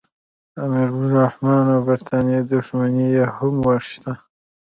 د امیرعبدالرحمن خان او برټانیې دښمني یې هم واخیسته.